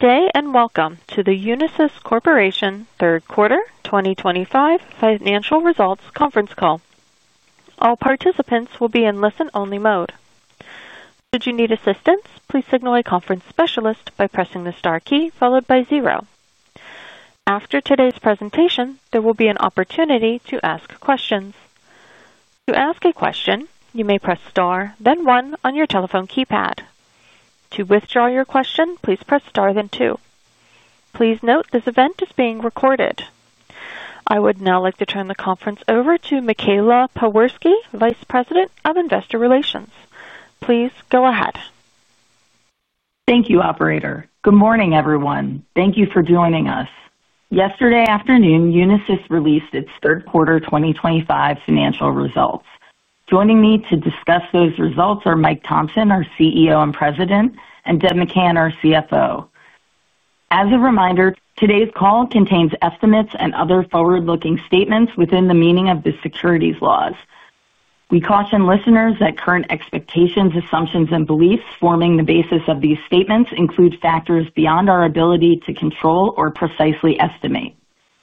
Today, and welcome to the Unisys Corporation third quarter 2025 financial results conference call. All participants will be in listen-only mode. Should you need assistance, please signal a conference specialist by pressing the star key followed by zero. After today's presentation, there will be an opportunity to ask questions. To ask a question, you may press star, then one on your telephone keypad. To withdraw your question, please press star, then two. Please note this event is being recorded. I would now like to turn the conference over to Michaela Pewarski, Vice President of Investor Relations. Please go ahead. Thank you, Operator. Good morning, everyone. Thank you for joining us. Yesterday afternoon, Unisys released its third quarter 2025 financial results. Joining me to discuss those results are Mike Thomson, our CEO and President, and Deb McCann, our CFO. As a reminder, today's call contains estimates and other forward-looking statements within the meaning of the securities laws. We caution listeners that current expectations, assumptions, and beliefs forming the basis of these statements include factors beyond our ability to control or precisely estimate.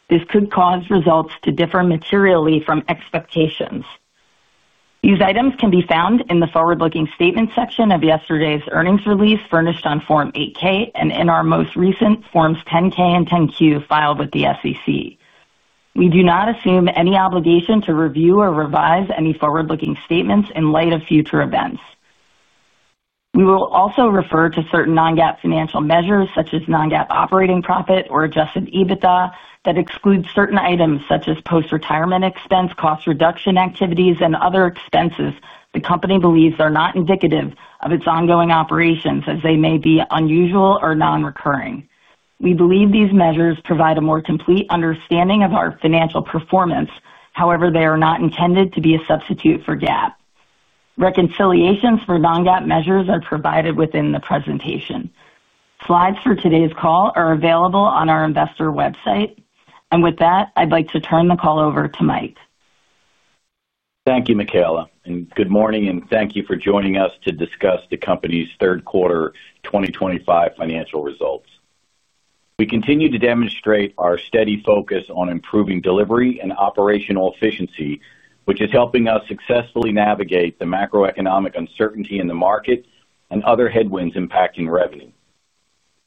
This could cause results to differ materially from expectations. These items can be found in the forward-looking statement section of yesterday's earnings release furnished on Form 8-K and in our most recent Forms 10-K and 10-Q filed with the SEC. We do not assume any obligation to review or revise any forward-looking statements in light of future events. We will also refer to certain Non-GAAP financial measures, such as Non-GAAP operating profit or Adjusted EBITDA, that exclude certain items such as post-retirement expense, cost reduction activities, and other expenses the company believes are not indicative of its ongoing operations, as they may be unusual or non-recurring. We believe these measures provide a more complete understanding of our financial performance. However, they are not intended to be a substitute for GAAP. Reconciliations for Non-GAAP measures are provided within the presentation. Slides for today's call are available on our investor website. With that, I'd like to turn the call over to Mike. Thank you, Michaela. Good morning, and thank you for joining us to discuss the company's third quarter 2025 financial results. We continue to demonstrate our steady focus on improving delivery and operational efficiency, which is helping us successfully navigate the macroeconomic uncertainty in the market and other headwinds impacting revenue.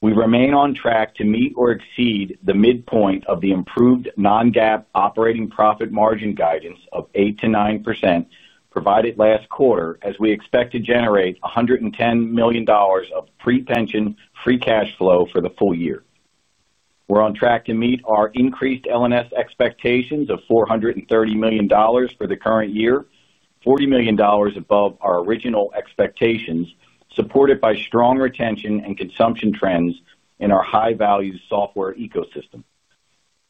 We remain on track to meet or exceed the midpoint of the improved Non-GAAP operating profit margin guidance of 8%-9% provided last quarter, as we expect to generate $110 million of pre-pension free cash flow for the full year. We are on track to meet our increased L&S expectations of $430 million for the current year, $40 million above our original expectations, supported by strong retention and consumption trends in our high-value software ecosystem.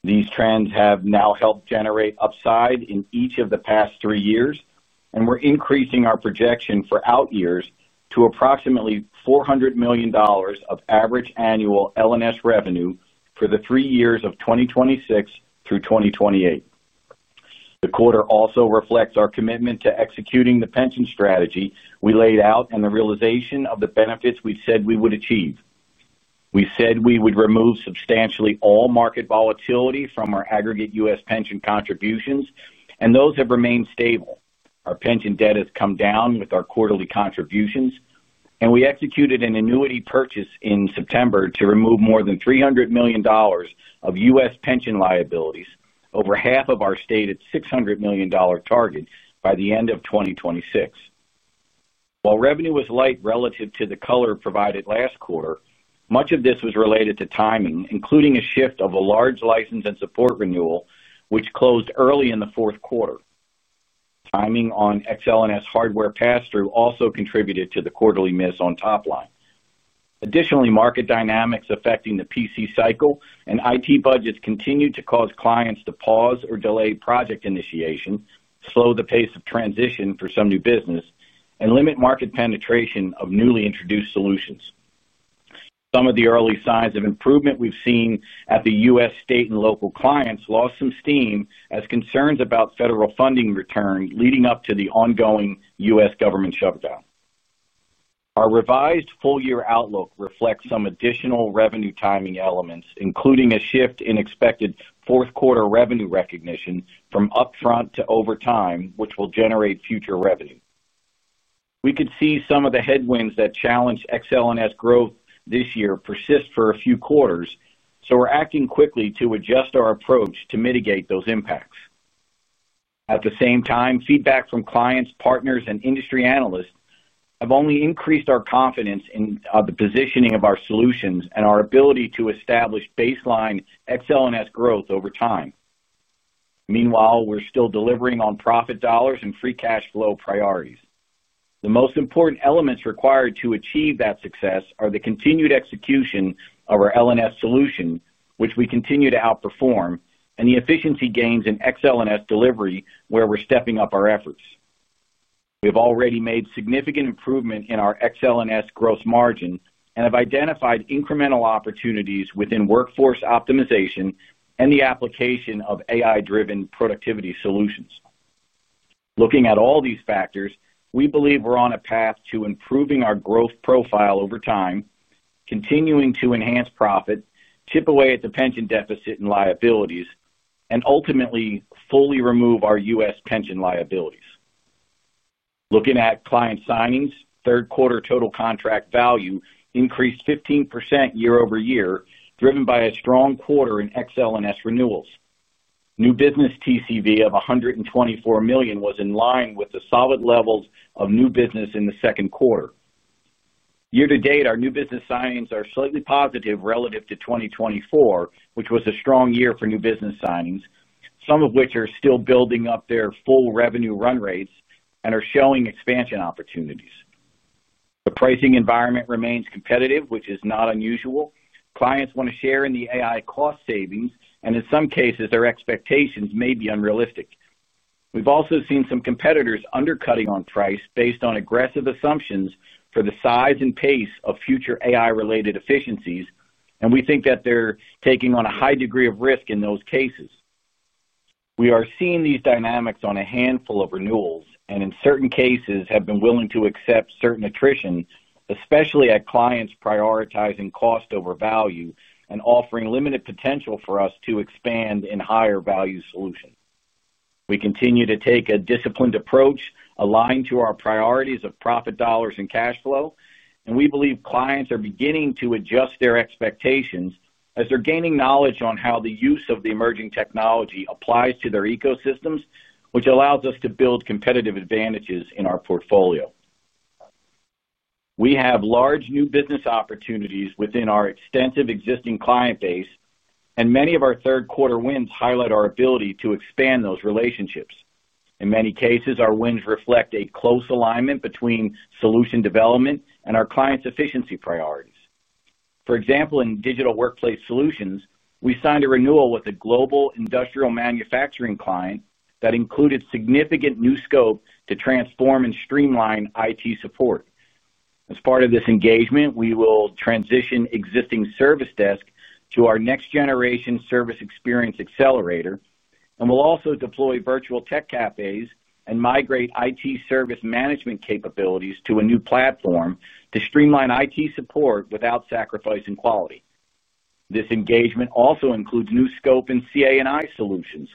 These trends have now helped generate upside in each of the past three years, and we're increasing our projection for out years to approximately $400 million of average annual L&S revenue for the three years of 2026 through 2028. The quarter also reflects our commitment to executing the pension strategy we laid out and the realization of the benefits we said we would achieve. We said we would remove substantially all market volatility from our aggregate U.S. pension contributions, and those have remained stable. Our pension debt has come down with our quarterly contributions, and we executed an annuity purchase in September to remove more than $300 million of U.S. pension liabilities, over half of our stated $600 million target by the end of 2026. While revenue was light relative to the color provided last quarter, much of this was related to timing, including a shift of a large license and support renewal, which closed early in the fourth quarter. Timing on XL&S hardware pass-through also contributed to the quarterly miss on top line. Additionally, market dynamics affecting the PC cycle and IT budgets continued to cause clients to pause or delay project initiation, slow the pace of transition for some new business, and limit market penetration of newly introduced solutions. Some of the early signs of improvement we've seen at the U.S. state and local clients lost some steam as concerns about federal funding returned leading up to the ongoing U.S. government shutdown. Our revised full-year outlook reflects some additional revenue timing elements, including a shift in expected fourth-quarter revenue recognition from upfront to over time, which will generate future revenue. We could see some of the headwinds that challenge XL&S growth this year persist for a few quarters, so we're acting quickly to adjust our approach to mitigate those impacts. At the same time, feedback from clients, partners, and industry analysts has only increased our confidence in the positioning of our solutions and our ability to establish baseline XL&S growth over time. Meanwhile, we're still delivering on profit dollars and free cash flow priorities. The most important elements required to achieve that success are the continued execution of our L&S solution, which we continue to outperform, and the efficiency gains in XL&S delivery where we're stepping up our efforts. We have already made significant improvement in our XL&S gross margin and have identified incremental opportunities within workforce optimization and the application of AI-driven productivity solutions. Looking at all these factors, we believe we're on a path to improving our growth profile over time, continuing to enhance profit, chip away at the pension deficit and liabilities, and ultimately fully remove our U.S. pension liabilities. Looking at client signings, third-quarter total contract value increased 15% year-over-year, driven by a strong quarter in XL&S renewals. New business TCV of $124 million was in line with the solid levels of new business in the second quarter. Year to date, our new business signings are slightly positive relative to 2024, which was a strong year for new business signings, some of which are still building up their full revenue run rates and are showing expansion opportunities. The pricing environment remains competitive, which is not unusual. Clients want to share in the AI cost savings, and in some cases, their expectations may be unrealistic. We've also seen some competitors undercutting on price based on aggressive assumptions for the size and pace of future AI-related efficiencies, and we think that they're taking on a high degree of risk in those cases. We are seeing these dynamics on a handful of renewals and, in certain cases, have been willing to accept certain attrition, especially at clients prioritizing cost over value and offering limited potential for us to expand in higher value solutions. We continue to take a disciplined approach aligned to our priorities of profit dollars and cash flow, and we believe clients are beginning to adjust their expectations as they're gaining knowledge on how the use of the emerging technology applies to their ecosystems, which allows us to build competitive advantages in our portfolio. We have large new business opportunities within our extensive existing client base, and many of our third-quarter wins highlight our ability to expand those relationships. In many cases, our wins reflect a close alignment between solution development and our clients' efficiency priorities. For example, in Digital Workplace Solutions, we signed a renewal with a global industrial manufacturing client that included significant new scope to transform and streamline IT support. As part of this engagement, we will transition existing service desk to our next-generation Service Experience Accelerator, and we'll also deploy Virtual Tech Cafes and migrate IT service management capabilities to a new platform to streamline IT support without sacrificing quality. This engagement also includes new scope in CA&I solutions,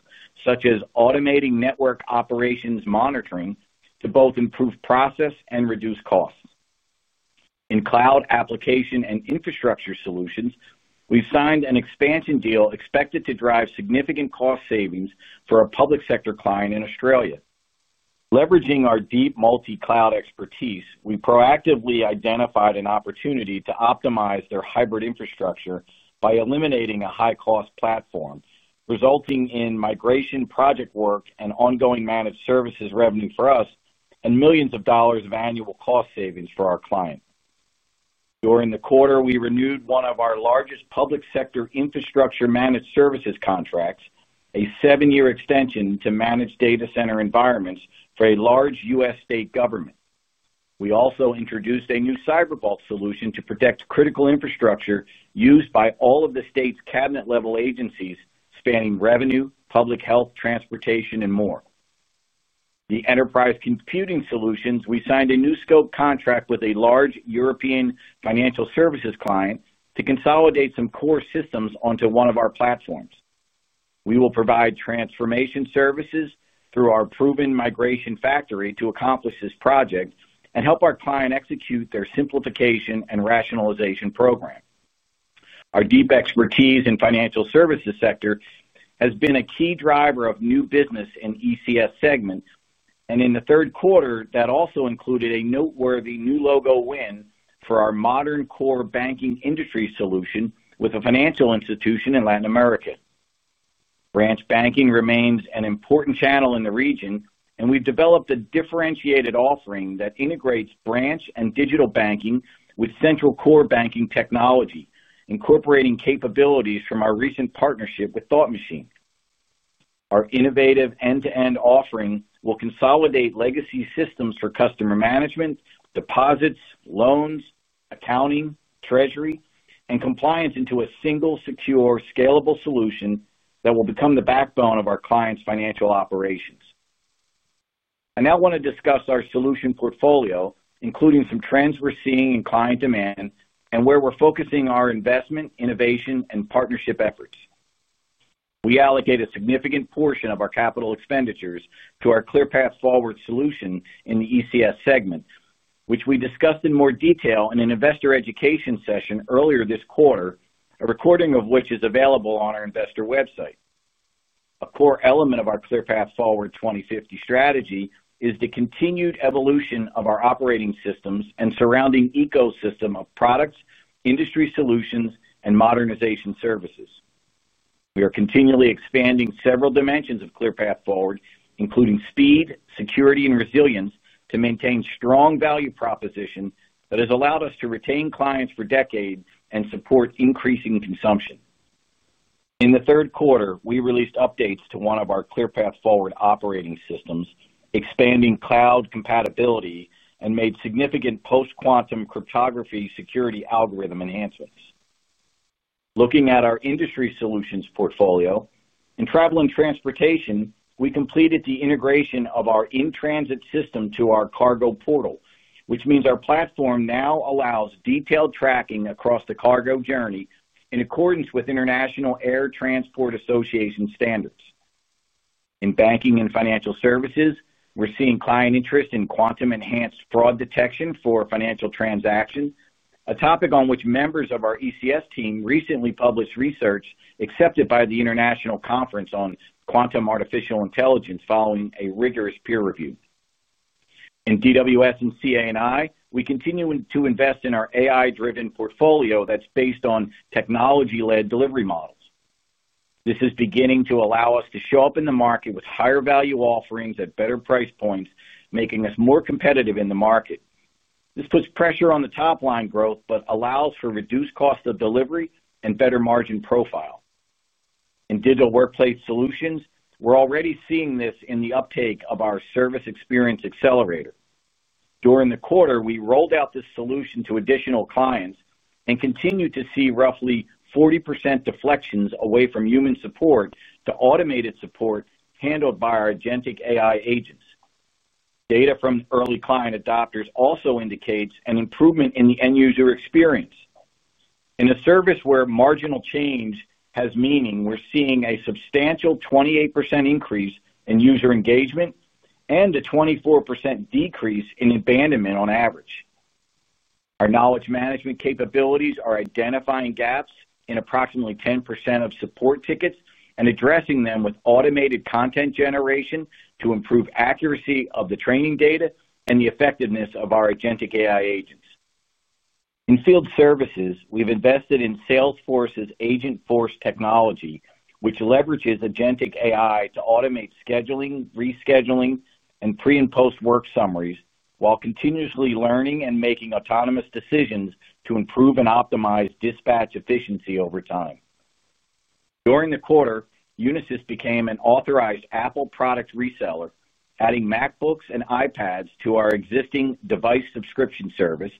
such as automating network operations monitoring to both improve process and reduce costs. In cloud application and infrastructure solutions, we've signed an expansion deal expected to drive significant cost savings for a public sector client in Australia. Leveraging our deep multi-cloud expertise, we proactively identified an opportunity to optimize their hybrid infrastructure by eliminating a high-cost platform, resulting in migration project work and ongoing managed services revenue for us and millions of dollars of annual cost savings for our client. During the quarter, we renewed one of our largest public sector infrastructure managed services contracts, a seven-year extension to managed data center environments for a large U.S. state government. We also introduced a new Cyber Vault Solution to protect critical infrastructure used by all of the state's cabinet-level agencies spanning revenue, public health, transportation, and more. In enterprise computing solutions, we signed a new scope contract with a large European financial services client to consolidate some core systems onto one of our platforms. We will provide transformation services through our proven migration factory to accomplish this project and help our client execute their simplification and rationalization program. Our deep expertise in the financial services sector has been a key driver of new business in ECS segments, and in the third quarter, that also included a noteworthy new logo win for our Modern Core Banking Industry Solution with a financial institution in Latin America. Branch banking remains an important channel in the region, and we've developed a differentiated offering that integrates branch and digital banking with central core banking technology, incorporating capabilities from our recent partnership with Thought Machine. Our innovative end-to-end offering will consolidate legacy systems for customer management, deposits, loans, accounting, treasury, and compliance into a single, secure, scalable solution that will become the backbone of our clients' financial operations. I now want to discuss our solution portfolio, including some trends we're seeing in client demand and where we're focusing our investment, innovation, and partnership efforts. We allocate a significant portion of our capital expenditures to our ClearPath Forward solution in the ECS segment, which we discussed in more detail in an investor education session earlier this quarter, a recording of which is available on our investor website. A core element of our ClearPath Forward 2050 strategy is the continued evolution of our operating systems and surrounding ecosystem of products, industry solutions, and modernization services. We are continually expanding several dimensions of ClearPath Forward, including speed, security, and resilience to maintain strong value proposition that has allowed us to retain clients for decades and support increasing consumption. In the third quarter, we released updates to one of our ClearPath Forward operating systems, expanding cloud compatibility and made significant post-quantum cryptography security algorithm enhancements. Looking at our industry solutions portfolio, in travel and transportation, we completed the integration of our in-transit system to our Cargo Portal, which means our platform now allows detailed tracking across the cargo journey in accordance with International Air Transport Association standards. In banking and financial services, we're seeing client interest in quantum-enhanced fraud detection for financial transactions, a topic on which members of our ECS team recently published research accepted by the International Conference on Quantum Artificial Intelligence following a rigorous peer review. In DWS and CA&I, we continue to invest in our AI-driven portfolio that's based on technology-led delivery models. This is beginning to allow us to show up in the market with higher value offerings at better price points, making us more competitive in the market. This puts pressure on the top line growth but allows for reduced cost of delivery and better margin profile. In Digital Workplace Solutions, we're already seeing this in the uptake of our Service Experience Accelerator. During the quarter, we rolled out this solution to additional clients and continue to see roughly 40% deflections away from human support to automated support handled by our agentic AI agents. Data from early client adopters also indicates an improvement in the end-user experience. In a service where marginal change has meaning, we're seeing a substantial 28% increase in user engagement and a 24% decrease in abandonment on average. Our knowledge management capabilities are identifying gaps in approximately 10% of support tickets and addressing them with automated content generation to improve accuracy of the training data and the effectiveness of our agentic AI agents. In field services, we've invested in Salesforce's AgentForce technology, which leverages agentic AI to automate scheduling, rescheduling, and pre- and post-work summaries while continuously learning and making autonomous decisions to improve and optimize dispatch efficiency over time. During the quarter, Unisys became an authorized Apple product reseller, adding MacBooks and iPads to our existing device subscription service,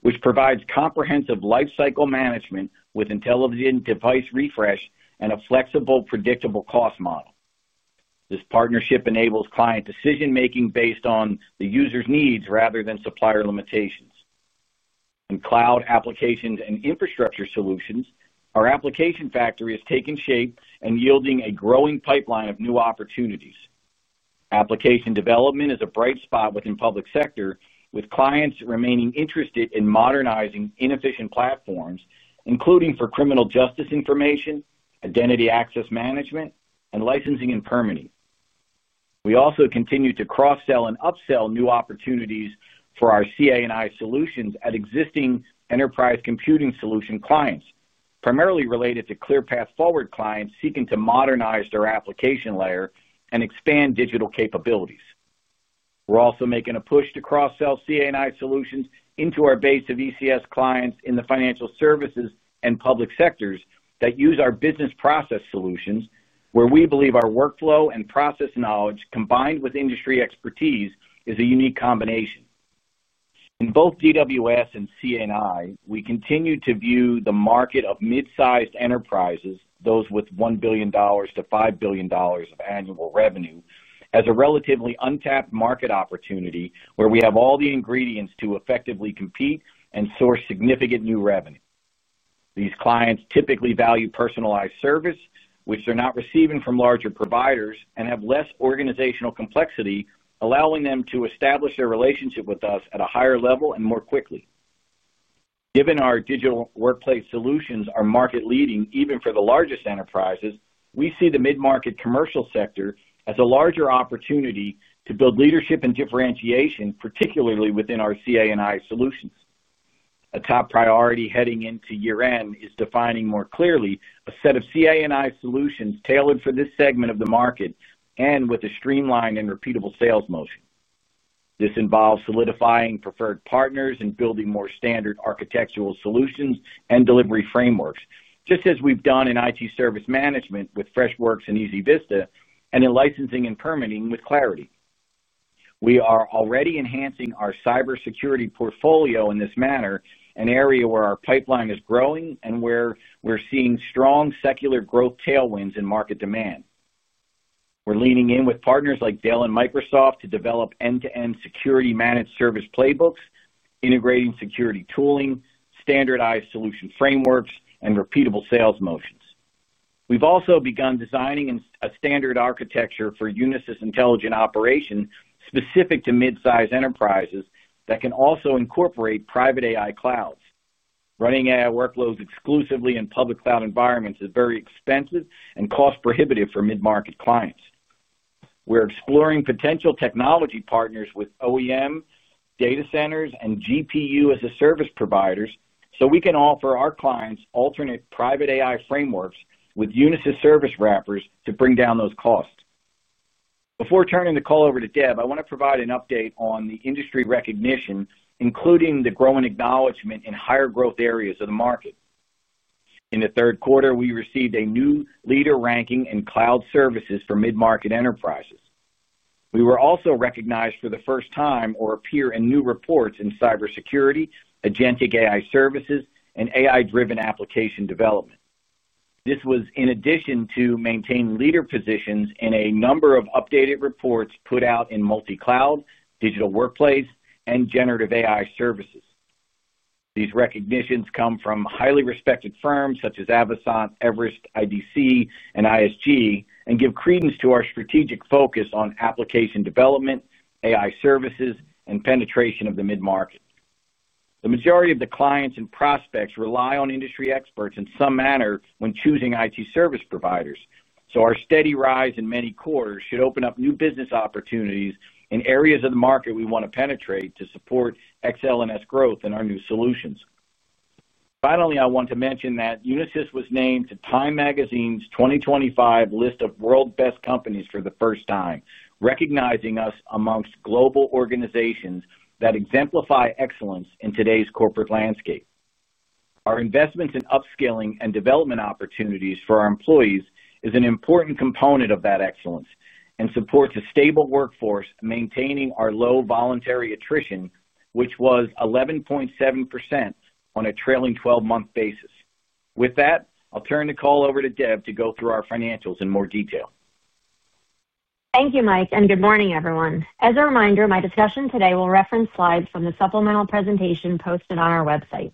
which provides comprehensive lifecycle management with intelligent device refresh and a flexible, predictable cost model. This partnership enables client decision-making based on the user's needs rather than supplier limitations. In cloud applications and infrastructure solutions, our application factory has taken shape and yielding a growing pipeline of new opportunities. Application development is a bright spot within public sector, with clients remaining interested in modernizing inefficient platforms, including for criminal justice information, identity access management, and licensing and permitting. We also continue to cross-sell and upsell new opportunities for our CA&I solutions at existing Enterprise Computing Solutions clients, primarily related to ClearPath Forward clients seeking to modernize their application layer and expand digital capabilities. We're also making a push to cross-sell CA&I solutions into our base of ECS clients in the financial services and public sectors that use our business process solutions, where we believe our workflow and process knowledge combined with industry expertise is a unique combination. In both DWS and CA&I, we continue to view the market of mid-sized enterprises, those with $1 billion-$5 billion of annual revenue, as a relatively untapped market opportunity where we have all the ingredients to effectively compete and source significant new revenue. These clients typically value personalized service, which they're not receiving from larger providers, and have less organizational complexity, allowing them to establish their relationship with us at a higher level and more quickly. Given our digital workplace solutions are market-leading even for the largest enterprises, we see the mid-market commercial sector as a larger opportunity to build leadership and differentiation, particularly within our CA&I solutions. A top priority heading into year-end is defining more clearly a set of CA&I solutions tailored for this segment of the market and with a streamlined and repeatable sales motion. This involves solidifying preferred partners and building more standard architectural solutions and delivery frameworks, just as we've done in IT service management with Freshworks and EasyVista, and in licensing and permitting with Clarity. We are already enhancing our cybersecurity portfolio in this manner, an area where our pipeline is growing and where we're seeing strong secular growth tailwinds in market demand. We're leaning in with partners like Dell and Microsoft to develop end-to-end security managed service playbooks, integrating security tooling, standardized solution frameworks, and repeatable sales motions. We've also begun designing a standard architecture for Unisys intelligent operation specific to mid-size enterprises that can also incorporate private AI clouds. Running AI workloads exclusively in public cloud environments is very expensive and cost-prohibitive for mid-market clients. We're exploring potential technology partners with OEM, data centers, and GPU-as-a-service providers so we can offer our clients alternate private AI frameworks with Unisys service wrappers to bring down those costs. Before turning the call over to Deb, I want to provide an update on the industry recognition, including the growing acknowledgment in higher growth areas of the market. In the third quarter, we received a new leader ranking in cloud services for mid-market enterprises. We were also recognized for the first time or appear in new reports in cybersecurity, agentic AI services, and AI-driven application development. This was in addition to maintaining leader positions in a number of updated reports put out in multi-cloud, digital workplace, and generative AI services. These recognitions come from highly respected firms such as Amazon, Everest, IDC, and ISG, and give credence to our strategic focus on application development, AI services, and penetration of the mid-market. The majority of the clients and prospects rely on industry experts in some manner when choosing IT service providers, so our steady rise in many quarters should open up new business opportunities in areas of the market we want to penetrate to support XL&S growth in our new solutions. Finally, I want to mention that Unisys was named to Time Magazine's 2025 list of world's best companies for the first time, recognizing us amongst global organizations that exemplify excellence in today's corporate landscape. Our investments in upskilling and development opportunities for our employees is an important component of that excellence and supports a stable workforce, maintaining our low voluntary attrition, which was 11.7% on a trailing 12-month basis. With that, I'll turn the call over to Deb to go through our financials in more detail. Thank you, Mike, and good morning, everyone. As a reminder, my discussion today will reference slides from the supplemental presentation posted on our website.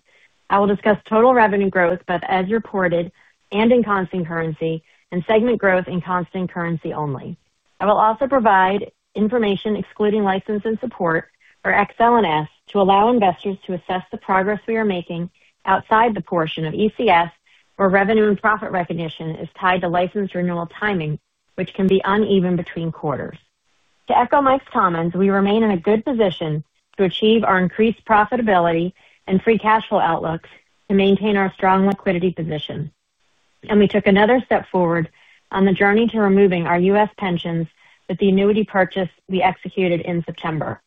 I will discuss total revenue growth, both as reported and in constant currency, and segment growth in constant currency only. I will also provide information excluding license and support for XL&S to allow investors to assess the progress we are making outside the portion of ECS where revenue and profit recognition is tied to license renewal timing, which can be uneven between quarters. To echo Mike's comments, we remain in a good position to achieve our increased profitability and free cash flow outlooks to maintain our strong liquidity position. We took another step forward on the journey to removing our U.S. pensions with the annuity purchase we executed in September.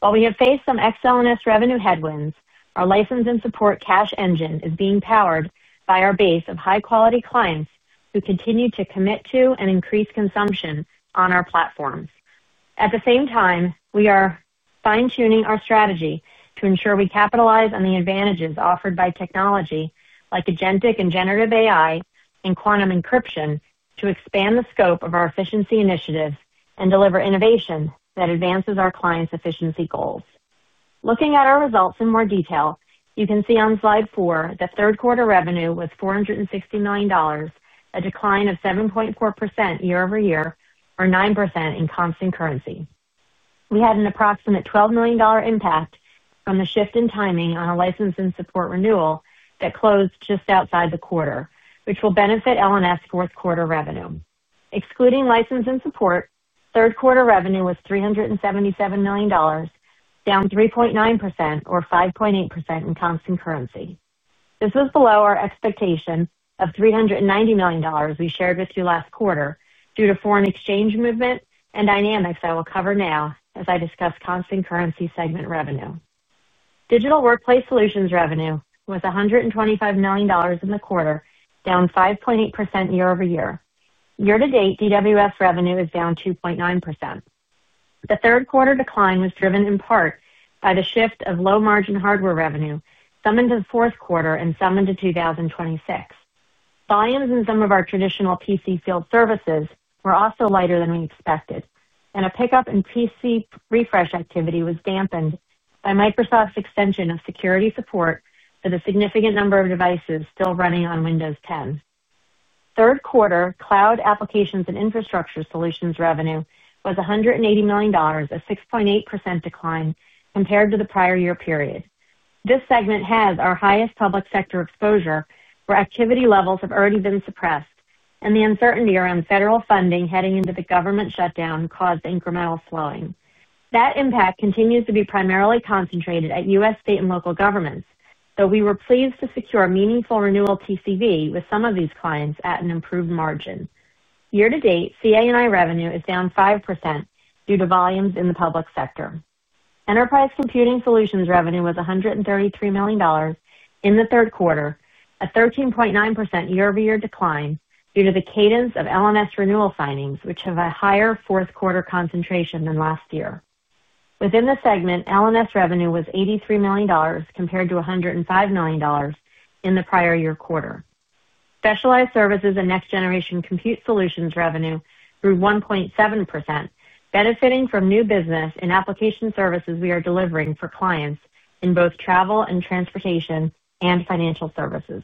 While we have faced some XL&S revenue headwinds, our license and support cash engine is being powered by our base of high-quality clients who continue to commit to and increase consumption on our platforms. At the same time, we are fine-tuning our strategy to ensure we capitalize on the advantages offered by technology like agentic and generative AI and quantum encryption to expand the scope of our efficiency initiatives and deliver innovation that advances our clients' efficiency goals. Looking at our results in more detail, you can see on slide four the third quarter revenue was $460 million, a decline of 7.4% year-over-year or 9% in constant currency. We had an approximate $12 million impact from the shift in timing on a license and support renewal that closed just outside the quarter, which will benefit L&S fourth quarter revenue. Excluding license and support, third quarter revenue was $377 million, down 3.9% or 5.8% in constant currency. This was below our expectation of $390 million we shared with you last quarter due to foreign exchange movement and dynamics I will cover now as I discuss constant currency segment revenue. Digital Workplace Solutions revenue was $125 million in the quarter, down 5.8% year-over-year. Year to date, DWS revenue is down 2.9%. The third quarter decline was driven in part by the shift of low-margin hardware revenue summoned to the fourth quarter and summoned to 2026. Volumes in some of our traditional PC field services were also lighter than we expected, and a pickup in PC refresh activity was dampened by Microsoft's extension of security support for the significant number of devices still running on Windows 10. Third quarter cloud applications and infrastructure solutions revenue was $180 million, a 6.8% decline compared to the prior year period. This segment has our highest public sector exposure where activity levels have already been suppressed, and the uncertainty around federal funding heading into the government shutdown caused incremental slowing. That impact continues to be primarily concentrated at U.S. state and local governments, though we were pleased to secure meaningful renewal TCV with some of these clients at an improved margin. Year to date, CA&I revenue is down 5% due to volumes in the public sector. Enterprise Computing Solutions revenue was $133 million in the third quarter, a 13.9% year-over-year decline due to the cadence of L&S renewal signings, which have a higher fourth quarter concentration than last year. Within the segment, L&S revenue was $83 million compared to $105 million in the prior year quarter. Specialized services and next-generation compute solutions revenue grew 1.7%, benefiting from new business and application services we are delivering for clients in both travel and transportation and financial services.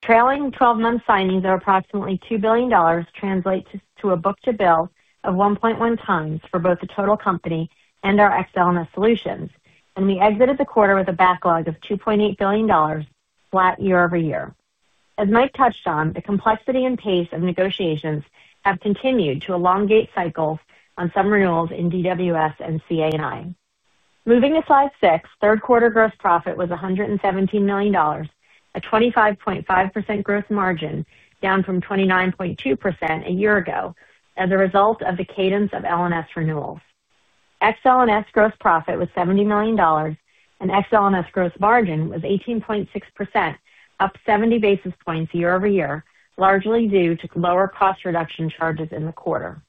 Trailing 12-month signings of approximately $2 billion translate to a book-to-bill of 1.1x for both the total company and our XL&S solutions, and we exited the quarter with a backlog of $2.8 billion flat year-over-year. As Mike touched on, the complexity and pace of negotiations have continued to elongate cycles on some renewals in DWS and CA&I. Moving to slide six, third quarter gross profit was $117 million, a 25.5% gross margin, down from 29.2% a year ago as a result of the cadence of L&S renewals. XL&S gross profit was $70 million, and XL&S gross margin was 18.6%, up 70 basis points year-over-year, largely due to lower cost reduction charges in the quarter.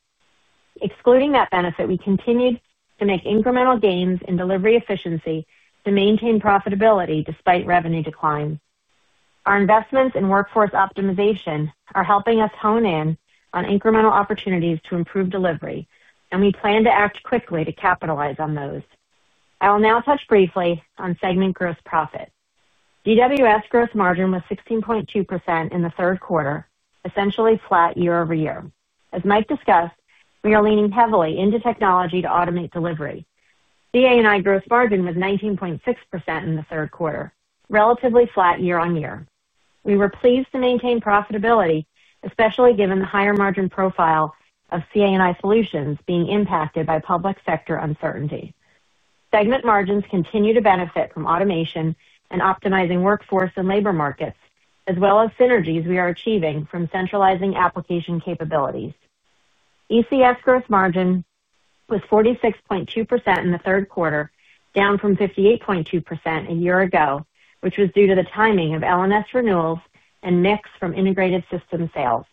Excluding that benefit, we continued to make incremental gains in delivery efficiency to maintain profitability despite revenue decline. Our investments in workforce optimization are helping us hone in on incremental opportunities to improve delivery, and we plan to act quickly to capitalize on those. I will now touch briefly on segment gross profit. DWS gross margin was 16.2% in the third quarter, essentially flat year-over-year. As Mike discussed, we are leaning heavily into technology to automate delivery. CA&I gross margin was 19.6% in the third quarter, relatively flat year on year. We were pleased to maintain profitability, especially given the higher margin profile of CA&I solutions being impacted by public sector uncertainty. Segment margins continue to benefit from automation and optimizing workforce and labor markets, as well as synergies we are achieving from centralizing application capabilities. ECS gross margin was 46.2% in the third quarter, down from 58.2% a year ago, which was due to the timing of L&S renewals and mix from integrated system sales.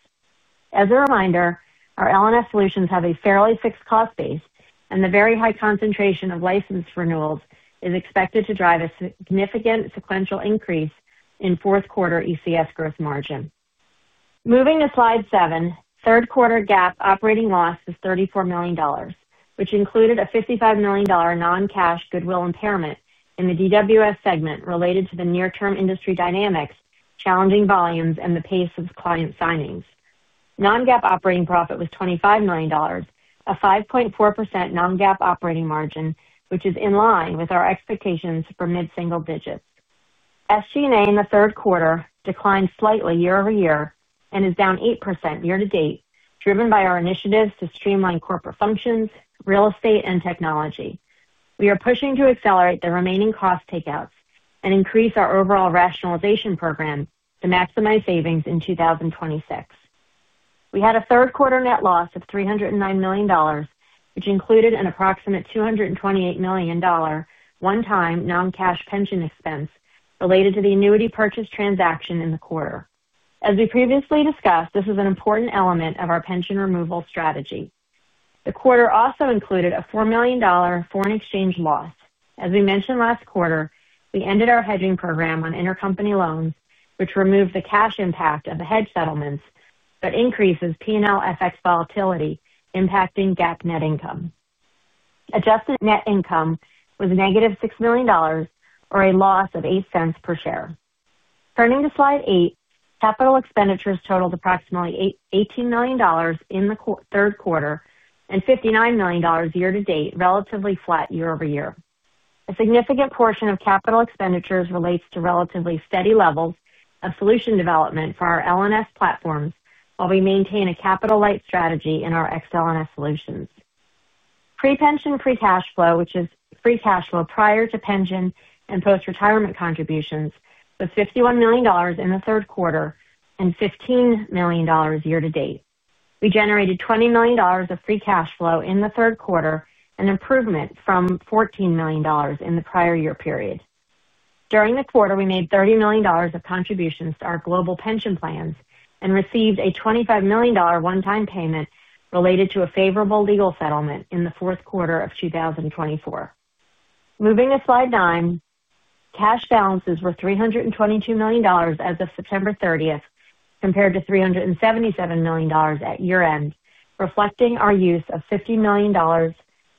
As a reminder, our L&S solutions have a fairly fixed cost base, and the very high concentration of license renewals is expected to drive a significant sequential increase in fourth quarter ECS gross margin. Moving to slide seven, third quarter GAAP operating loss was $34 million, which included a $55 million non-cash goodwill impairment in the DWS segment related to the near-term industry dynamics, challenging volumes, and the pace of client signings. Non-GAAP operating profit was $25 million, a 5.4% Non-GAAP operating margin, which is in line with our expectations for mid-single digits. SG&A in the third quarter declined slightly year-over-year and is down 8% year to date, driven by our initiatives to streamline corporate functions, real estate, and technology. We are pushing to accelerate the remaining cost takeouts and increase our overall rationalization program to maximize savings in 2026. We had a third quarter net loss of $309 million, which included an approximate $228 million one-time non-cash pension expense related to the annuity purchase transaction in the quarter. As we previously discussed, this is an important element of our pension removal strategy. The quarter also included a $4 million foreign exchange loss. As we mentioned last quarter, we ended our hedging program on intercompany loans, which removed the cash impact of the hedge settlements but increases P&L FX volatility impacting GAAP net income. Adjusted Net Income was -$6 million, or a loss of $0.08 per share. Turning to slide eight, capital expenditures totaled approximately $18 million in the third quarter and $59 million year to date, relatively flat year-over-year. A significant portion of capital expenditures relates to relatively steady levels of solution development for our L&S platforms while we maintain a capital-light strategy in our XL&S solutions. Pre-pension free cash flow, which is free cash flow prior to pension and post-retirement contributions, was $51 million in the third quarter and $15 million year to date. We generated $20 million of free cash flow in the third quarter, an improvement from $14 million in the prior year period. During the quarter, we made $30 million of contributions to our global pension plans and received a $25 million one-time payment related to a favorable legal settlement in the fourth quarter of 2024. Moving to slide nine, cash balances were $322 million as of September 30th compared to $377 million at year-end, reflecting our use of $50 million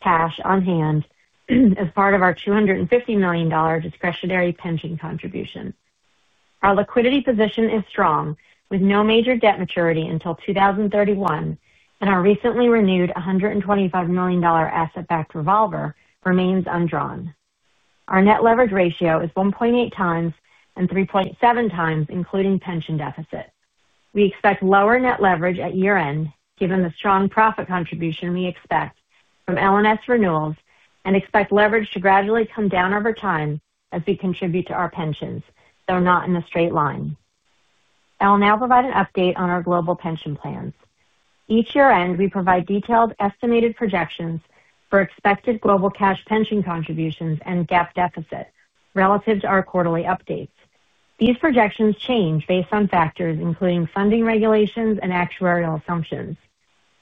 cash on hand as part of our $250 million discretionary pension contribution. Our liquidity position is strong with no major debt maturity until 2031, and our recently renewed $125 million asset-backed revolver remains undrawn. Our net leverage ratio is 1.8 times and 3.7 times including pension deficit. We expect lower net leverage at year-end given the strong profit contribution we expect from L&S renewals and expect leverage to gradually come down over time as we contribute to our pensions, though not in a straight line. I will now provide an update on our global pension plans. Each year-end, we provide detailed estimated projections for expected global cash pension contributions and GAAP deficit relative to our quarterly updates. These projections change based on factors including funding regulations and actuarial assumptions.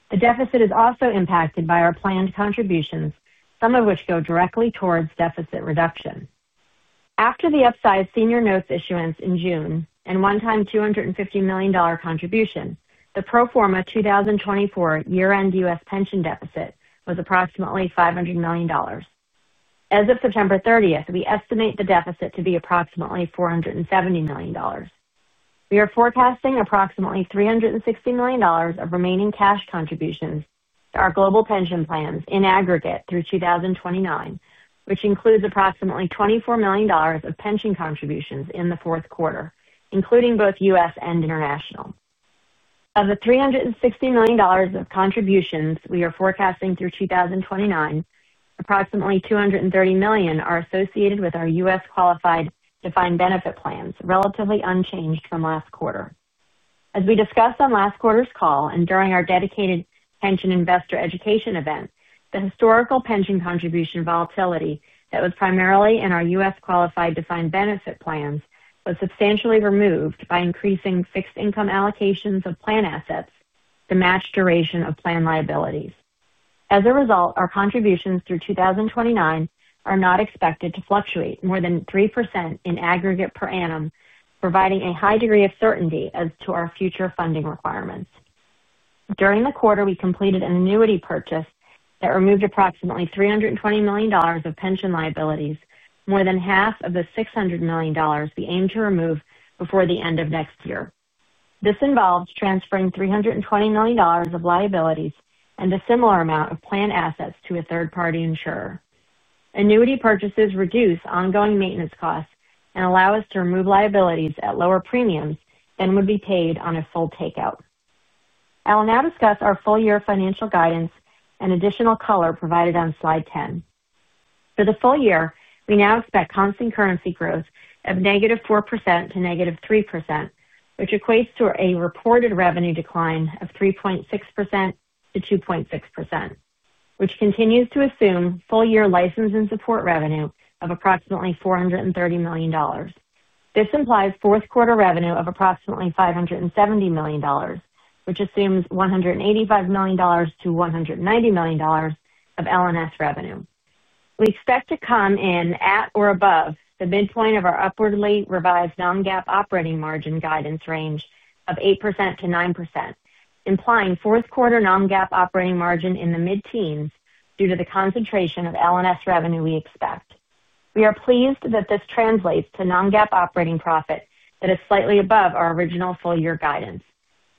The deficit is also impacted by our planned contributions, some of which go directly towards deficit reduction. After the upside senior notes issuance in June and one-time $250 million contribution, the pro forma 2024 year-end U.S. pension deficit was approximately $500 million. As of September 30th, we estimate the deficit to be approximately $470 million. We are forecasting approximately $360 million of remaining cash contributions to our global pension plans in aggregate through 2029, which includes approximately $24 million of pension contributions in the fourth quarter, including both U.S. and international. Of the $360 million of contributions we are forecasting through 2029, approximately $230 million are associated with our U.S. qualified defined benefit plans, relatively unchanged from last quarter. As we discussed on last quarter's call and during our dedicated pension investor education event, the historical pension contribution volatility that was primarily in our U.S. qualified defined benefit plans was substantially removed by increasing fixed income allocations of plan assets to match duration of plan liabilities. As a result, our contributions through 2029 are not expected to fluctuate more than 3% in aggregate per annum, providing a high degree of certainty as to our future funding requirements. During the quarter, we completed an annuity purchase that removed approximately $320 million of pension liabilities, more than half of the $600 million we aim to remove before the end of next year. This involves transferring $320 million of liabilities and a similar amount of plan assets to a third-party insurer. Annuity purchases reduce ongoing maintenance costs and allow us to remove liabilities at lower premiums than would be paid on a full takeout. I will now discuss our full-year financial guidance and additional color provided on slide 10. For the full year, we now expect constant currency growth of -4% to -3%, which equates to a reported revenue decline of 3.6%-2.6%, which continues to assume full-year license and support revenue of approximately $430 million. This implies fourth quarter revenue of approximately $570 million, which assumes $185 million-$190 million of L&S revenue. We expect to come in at or above the midpoint of our upwardly revised Non-GAAP operating margin guidance range of 8%-9%, implying fourth quarter Non-GAAP operating margin in the mid-teens due to the concentration of L&S revenue we expect. We are pleased that this translates to Non-GAAP operating profit that is slightly above our original full-year guidance.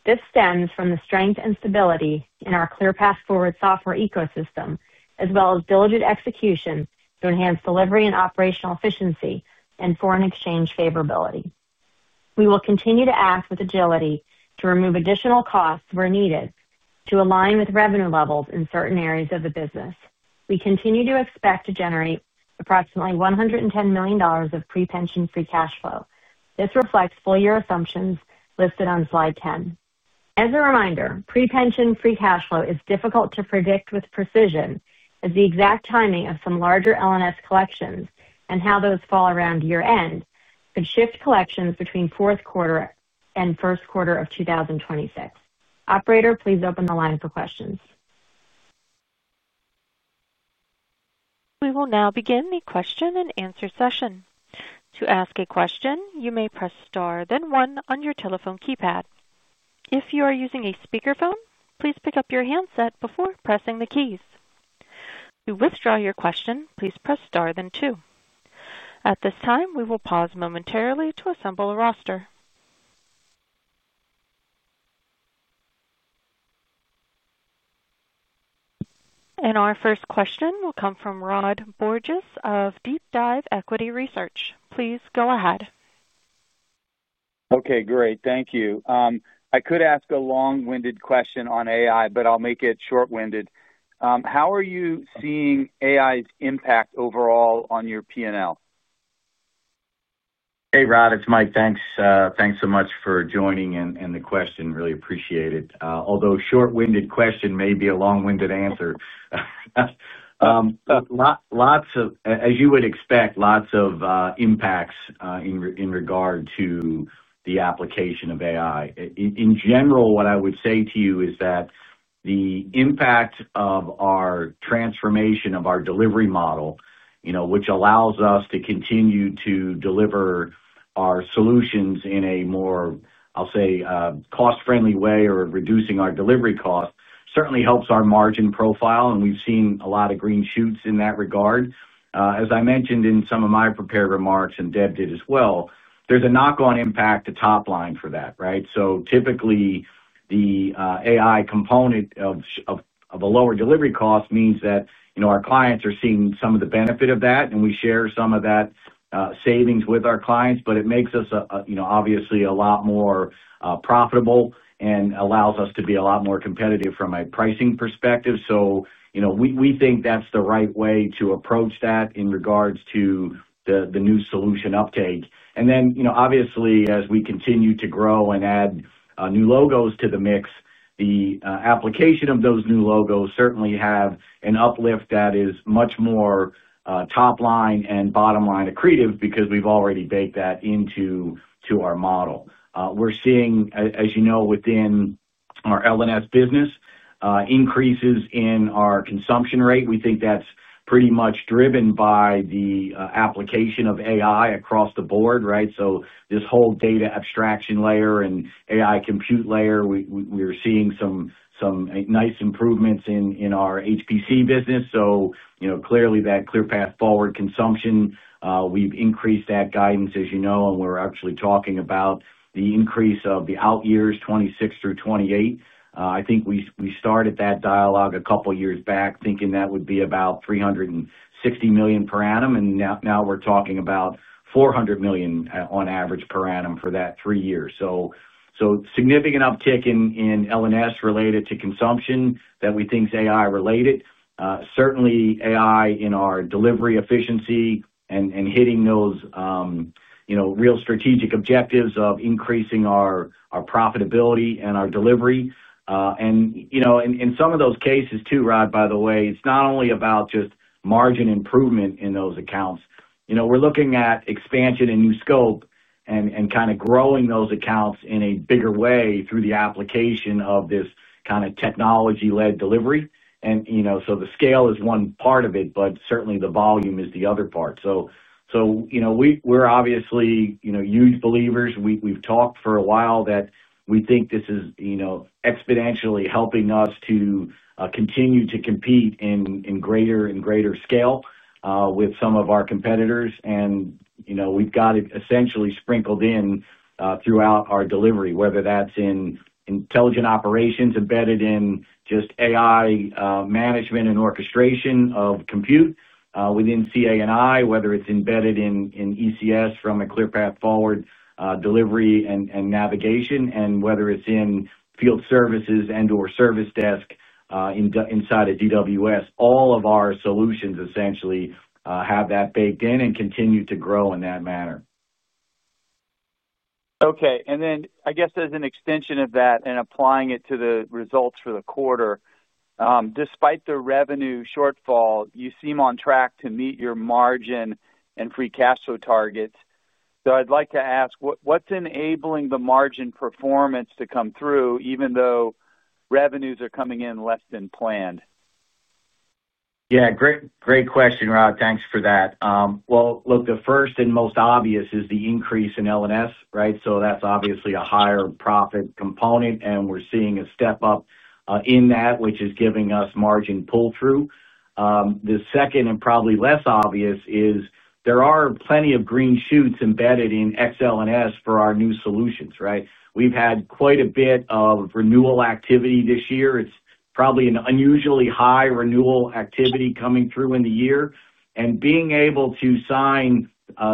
This stems from the strength and stability in our ClearPath Forward software ecosystem, as well as diligent execution to enhance delivery and operational efficiency and foreign exchange favorability. We will continue to act with agility to remove additional costs where needed to align with revenue levels in certain areas of the business. We continue to expect to generate approximately $110 million of pre-pension free cash flow. This reflects full-year assumptions listed on slide 10. As a reminder, pre-pension free cash flow is difficult to predict with precision, as the exact timing of some larger L&S collections and how those fall around year-end could shift collections between fourth quarter and first quarter of 2026. Operator, please open the line for questions. We will now begin the question-and-answer session. To ask a question, you may press star then one on your telephone keypad. If you are using a speakerphone, please pick up your handset before pressing the keys. To withdraw your question, please press star then two. At this time, we will pause momentarily to assemble a roster. Our first question will come from Rod Bourgeois of DeepDive Equity Research. Please go ahead. Okay, great. Thank you. I could ask a long-winded question on AI, but I'll make it short-winded. How are you seeing AI's impact overall on your P&L? Hey, Rod. It's Mike. Thanks so much for joining and the question. Really appreciate it. Although short-winded question may be a long-winded answer. Lots of, as you would expect, lots of impacts in regard to the application of AI. In general, what I would say to you is that the impact of our transformation of our delivery model, which allows us to continue to deliver our solutions in a more, I'll say, cost-friendly way or reducing our delivery cost, certainly helps our margin profile, and we've seen a lot of green shoots in that regard. As I mentioned in some of my prepared remarks and Deb did as well, there's a knock-on impact to top line for that, right? Typically, the AI component of a lower delivery cost means that our clients are seeing some of the benefit of that, and we share some of that savings with our clients, but it makes us obviously a lot more profitable and allows us to be a lot more competitive from a pricing perspective. We think that is the right way to approach that in regards to the new solution uptake. Obviously, as we continue to grow and add new logos to the mix, the application of those new logos certainly has an uplift that is much more top-line and bottom-line accretive because we have already baked that into our model. We are seeing, as you know, within our L&S business, increases in our consumption rate. We think that is pretty much driven by the application of AI across the board, right? This whole data abstraction layer and AI compute layer, we're seeing some nice improvements in our HPC business. Clearly, that ClearPath Forward consumption, we've increased that guidance, as you know, and we're actually talking about the increase of the out-years 2026 through 2028. I think we started that dialogue a couple of years back, thinking that would be about $360 million per annum, and now we're talking about $400 million on average per annum for that three years. Significant uptick in L&S related to consumption that we think is AI-related. Certainly, AI in our delivery efficiency and hitting those real strategic objectives of increasing our profitability and our delivery. In some of those cases too, Rod, by the way, it's not only about just margin improvement in those accounts. We're looking at expansion and new scope and kind of growing those accounts in a bigger way through the application of this kind of technology-led delivery. The scale is one part of it, but certainly the volume is the other part. We're obviously huge believers. We've talked for a while that we think this is exponentially helping us to continue to compete in greater and greater scale with some of our competitors. We've got it essentially sprinkled in throughout our delivery, whether that's in intelligent operations embedded in just AI management and orchestration of compute within CA&I, whether it's embedded in ECS from a ClearPath Forward delivery and navigation, and whether it's in field services and/or service desk inside of DWS. All of our solutions essentially have that baked in and continue to grow in that manner. Okay. I guess as an extension of that and applying it to the results for the quarter. Despite the revenue shortfall, you seem on track to meet your margin and free cash flow targets. I'd like to ask, what's enabling the margin performance to come through even though revenues are coming in less than planned? Great question, Rod. Thanks for that. The first and most obvious is the increase in L&S, right? That's obviously a higher profit component, and we're seeing a step up in that, which is giving us margin pull-through. The second and probably less obvious is there are plenty of green shoots embedded in XL&S for our new solutions, right? We've had quite a bit of renewal activity this year. It's probably an unusually high renewal activity coming through in the year. And being able to sign.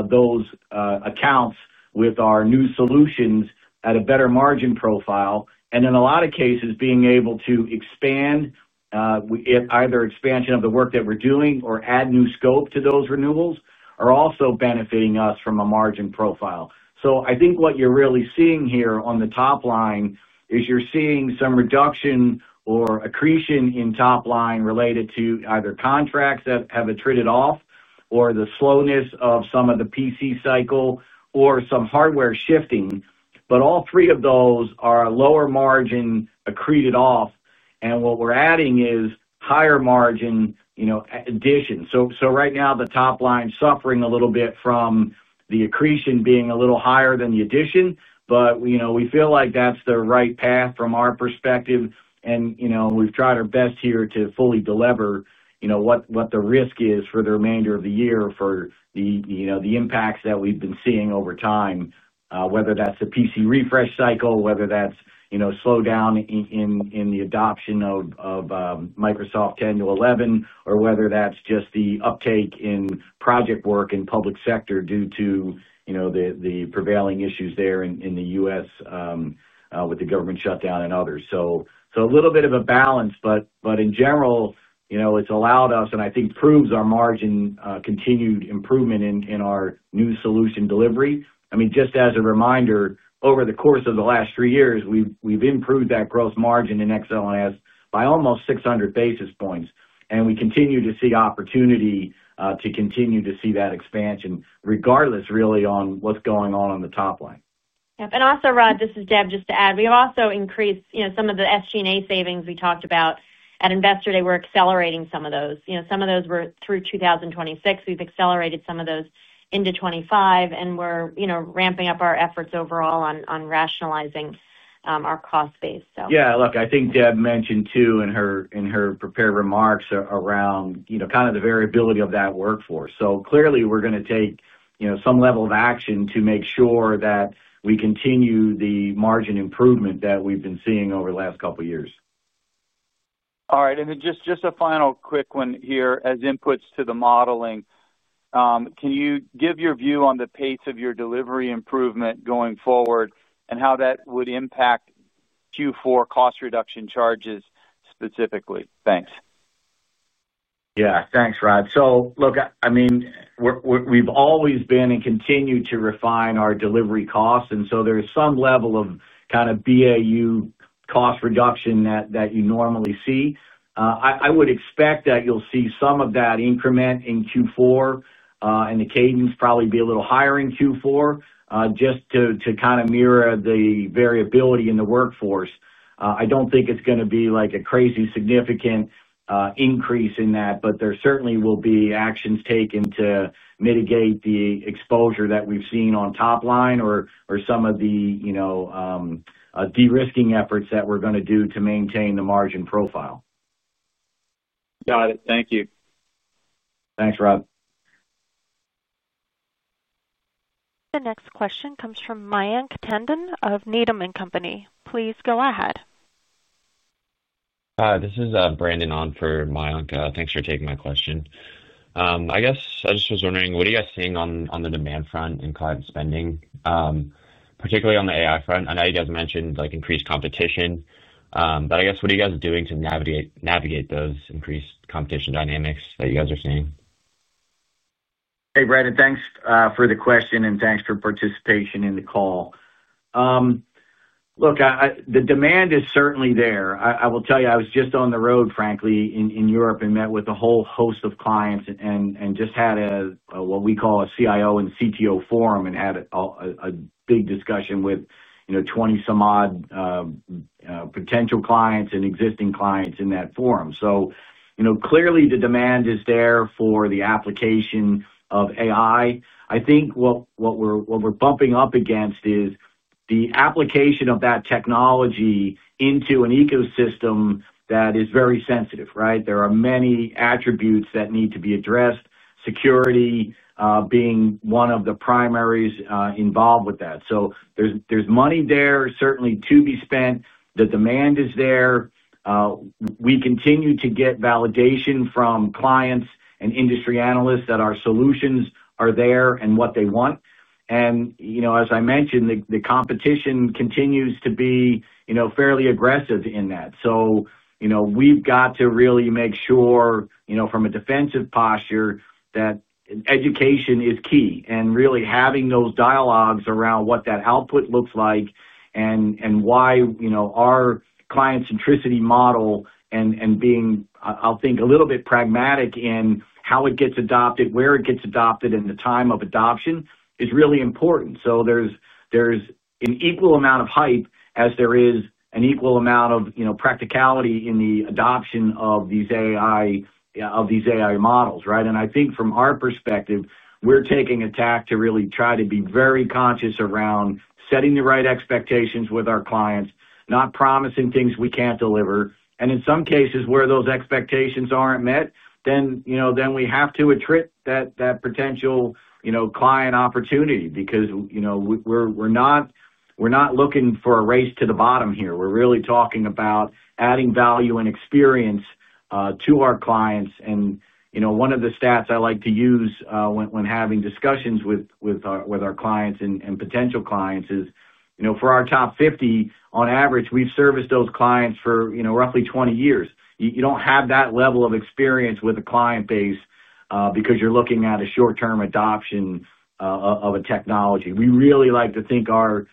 Those accounts with our new solutions at a better margin profile, and in a lot of cases, being able to expand. Either expansion of the work that we're doing or add new scope to those renewals are also benefiting us from a margin profile. I think what you're really seeing here on the top line is you're seeing some reduction or accretion in top line related to either contracts that have accreted off or the slowness of some of the PC cycle or some hardware shifting. All three of those are lower margin accreted off, and what we're adding is higher margin. Addition. Right now, the top line is suffering a little bit from the accretion being a little higher than the addition, but we feel like that's the right path from our perspective, and we've tried our best here to fully deliver what the risk is for the remainder of the year for the impacts that we've been seeing over time, whether that's a PC refresh cycle, whether that's slowdown in the adoption of Microsoft 10 to 11, or whether that's just the uptake in project work in public sector due to the prevailing issues there in the U.S. with the government shutdown and others. A little bit of a balance, but in general, it's allowed us, and I think proves our margin continued improvement in our new solution delivery. I mean, just as a reminder, over the course of the last three years, we've improved that gross margin in XL&S by almost 600 basis points, and we continue to see opportunity to continue to see that expansion regardless, really, on what's going on on the top line. Yep. Also, Rod, this is Deb just to add. We have also increased some of the SG&A savings we talked about at Investor Day. We're accelerating some of those. Some of those were through 2026. We've accelerated some of those into 2025, and we're ramping up our efforts overall on rationalizing our cost base, so. Yeah. I think Deb mentioned too in her prepared remarks around kind of the variability of that workforce. Clearly, we're going to take some level of action to make sure that we continue the margin improvement that we've been seeing over the last couple of years. All right. Just a final quick one here as inputs to the modeling. Can you give your view on the pace of your delivery improvement going forward and how that would impact Q4 cost reduction charges specifically? Thanks. Yeah. Thanks, Rod. Look, I mean, we've always been and continue to refine our delivery costs, and so there's some level of kind of BAU cost reduction that you normally see. I would expect that you'll see some of that increment in Q4, and the cadence probably be a little higher in Q4 just to kind of mirror the variability in the workforce. I don't think it's going to be a crazy significant increase in that, but there certainly will be actions taken to mitigate the exposure that we've seen on top line or some of the de-risking efforts that we're going to do to maintain the margin profile. Got it. Thank you. Thanks, Rod. The next question comes from Mayank Tandon of Needham & Company. Please go ahead. This is Brandon On for Mayank. Thanks for taking my question. I guess I just was wondering, what are you guys seeing on the demand front in cloud spending, particularly on the AI front? I know you guys mentioned increased competition. I guess, what are you guys doing to navigate those increased competition dynamics that you guys are seeing? Hey, Brandon, thanks for the question and thanks for participation in the call. Look, the demand is certainly there. I will tell you, I was just on the road, frankly, in Europe and met with a whole host of clients and just had what we call a CIO and CTO forum and had a big discussion with 20-some-odd potential clients and existing clients in that forum. Clearly, the demand is there for the application of AI. I think what we're bumping up against is the application of that technology into an ecosystem that is very sensitive, right? There are many attributes that need to be addressed, security being one of the primaries involved with that. There is money there certainly to be spent. The demand is there. We continue to get validation from clients and industry analysts that our solutions are there and what they want. As I mentioned, the competition continues to be fairly aggressive in that. We've got to really make sure from a defensive posture that education is key and really having those dialogues around what that output looks like and why our client centricity model and being, I'll think, a little bit pragmatic in how it gets adopted, where it gets adopted, and the time of adoption is really important. There's an equal amount of hype as there is an equal amount of practicality in the adoption of these AI models, right? I think from our perspective, we're taking a tack to really try to be very conscious around setting the right expectations with our clients, not promising things we can't deliver. In some cases where those expectations aren't met, then we have to attract that potential client opportunity because we're not looking for a race to the bottom here. We're really talking about adding value and experience to our clients. One of the stats I like to use when having discussions with our clients and potential clients is for our top 50, on average, we've serviced those clients for roughly 20 years. You don't have that level of experience with a client base because you're looking at a short-term adoption of a technology. We really like to think our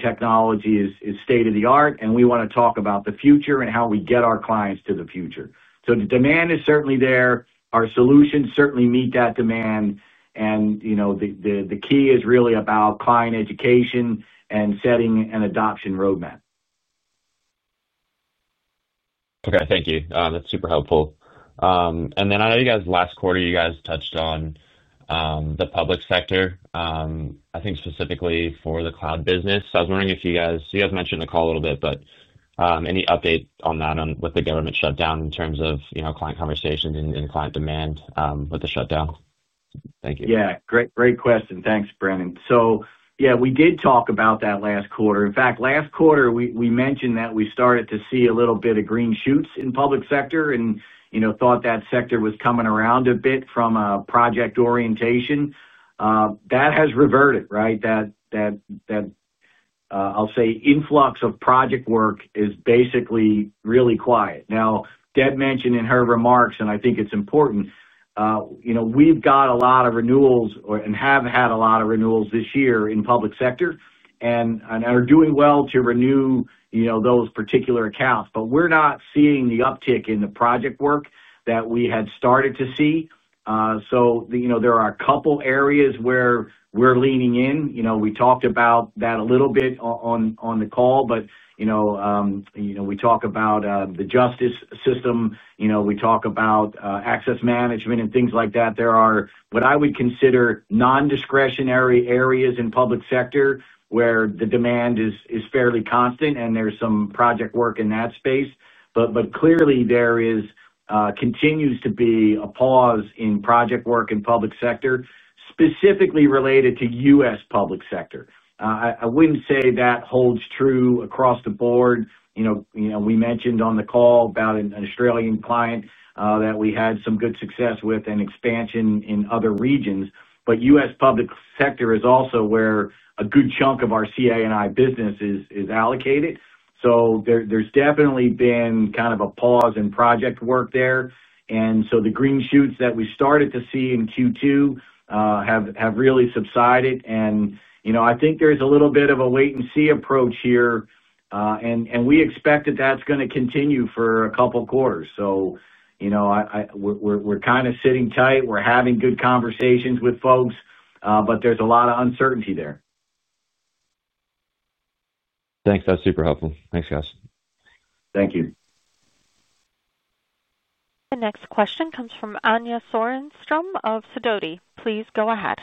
technology is state of the art, and we want to talk about the future and how we get our clients to the future. The demand is certainly there. Our solutions certainly meet that demand. The key is really about client education and setting an adoption roadmap. Okay. Thank you. That's super helpful. I know you guys last quarter, you guys touched on the public sector. I think specifically for the cloud business. I was wondering if you guys mentioned in the call a little bit, but any update on that, on what the government shutdown in terms of client conversations and client demand with the shutdown? Thank you. Yeah. Great question. Thanks, Brandon. Yeah, we did talk about that last quarter. In fact, last quarter, we mentioned that we started to see a little bit of green shoots in public sector and thought that sector was coming around a bit from a project orientation. That has reverted, right? That influx of project work is basically really quiet now. Deb mentioned in her remarks, and I think it's important. We've got a lot of renewals and have had a lot of renewals this year in public sector and are doing well to renew those particular accounts. We're not seeing the uptick in the project work that we had started to see. There are a couple of areas where we're leaning in. We talked about that a little bit on the call. We talk about the justice system. We talk about access management and things like that. There are what I would consider non-discretionary areas in public sector where the demand is fairly constant, and there's some project work in that space. Clearly, there continues to be a pause in project work in public sector specifically related to U.S. public sector. I wouldn't say that holds true across the board. We mentioned on the call about an Australian client that we had some good success with and expansion in other regions. U.S. public sector is also where a good chunk of our CA&I business is allocated. There has definitely been kind of a pause in project work there. The green shoots that we started to see in Q2 have really subsided. I think there is a little bit of a wait-and-see approach here. We expect that is going to continue for a couple of quarters. We are kind of sitting tight. We are having good conversations with folks, but there is a lot of uncertainty there. Thanks. That is super helpful. Thanks, guys. Thank you. The next question comes from Anja Soderstrom of Sidoti. Please go ahead.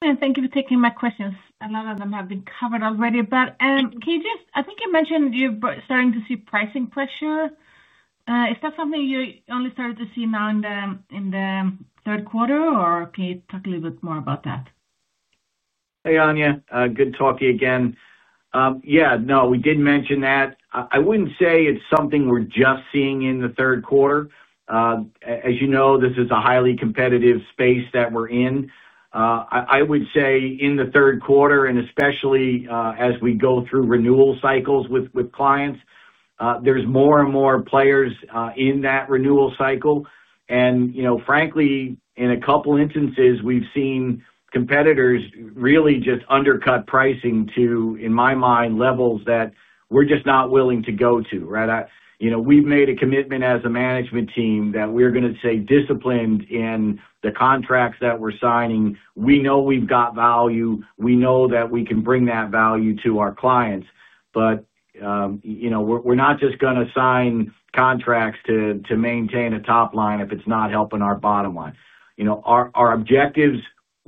Thank you for taking my questions. A lot of them have been covered already. I think you mentioned you are starting to see pricing pressure. Is that something you only started to see now in the third quarter, or can you talk a little bit more about that? Hey, Anja. Good to talk to you again. Yeah. No, we did mention that. I would not say it is something we are just seeing in the third quarter. As you know, this is a highly competitive space that we are in. I would say in the third quarter, and especially as we go through renewal cycles with clients, there are more and more players in that renewal cycle. Frankly, in a couple of instances, we have seen competitors really just undercut pricing to, in my mind, levels that we are just not willing to go to, right? We have made a commitment as a management team that we are going to stay disciplined in the contracts that we are signing. We know we have value. We know that we can bring that value to our clients. We are not just going to sign contracts to maintain a top line if it is not helping our bottom line. Our objectives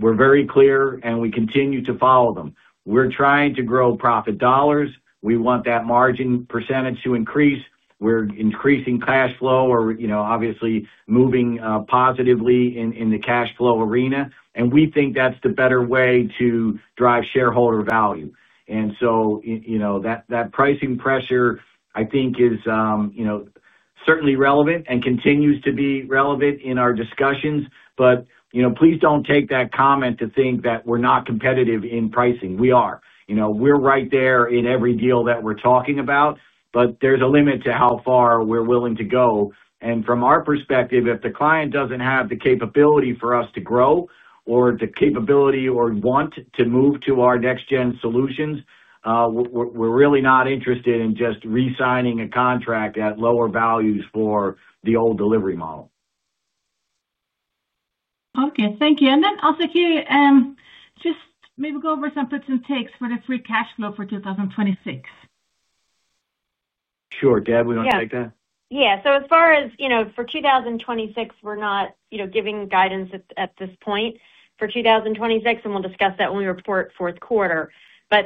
were very clear, and we continue to follow them. We're trying to grow profit dollars. We want that margin percentage to increase. We're increasing cash flow or obviously moving positively in the cash flow arena. We think that's the better way to drive shareholder value. That pricing pressure, I think, is certainly relevant and continues to be relevant in our discussions. Please don't take that comment to think that we're not competitive in pricing. We are. We're right there in every deal that we're talking about, but there's a limit to how far we're willing to go. From our perspective, if the client doesn't have the capability for us to grow or the capability or want to move to our next-gen solutions, we're really not interested in just re-signing a contract at lower values for the old delivery model. Okay. Thank you. And then I'll take you. Just maybe go over some perks and takes for the free cash flow for 2026. Sure. Deb, we want to take that. Yeah. As far as for 2026, we're not giving guidance at this point for 2026, and we'll discuss that when we report fourth quarter.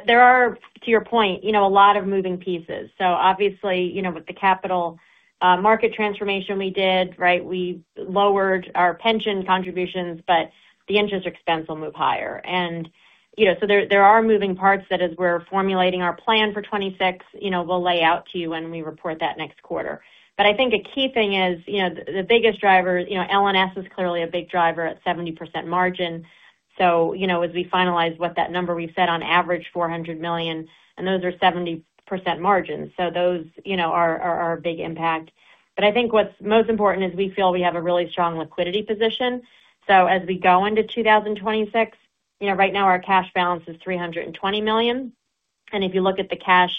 There are, to your point, a lot of moving pieces. Obviously, with the capital market transformation we did, right? We lowered our pension contributions, but the interest expense will move higher. There are moving parts that as we're formulating our plan for 2026, we'll lay out to you when we report that next quarter. I think a key thing is the biggest driver. L&S is clearly a big driver at 70% margin. As we finalize what that number, we've set on average $400 million, and those are 70% margins. Those are a big impact. I think what's most important is we feel we have a really strong liquidity position. As we go into 2026, right now, our cash balance is $320 million. If you look at the cash